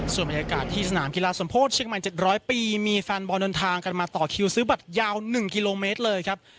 ส่วนบรรยากาศที่สนามกีฬาสมโพธิเชียงใหม่๗๐๐ปีมีแฟนบอลเดินทางกันมาต่อคิวซื้อบัตรยาว๑กิโลเมตรเลยครับ